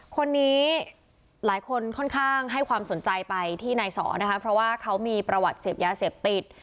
คนนี้หลายคนค่อนข้างให้ความสนใจไปที่นายสอนะคะเพราะว่าเขามีประวัติเสพยาเสพติด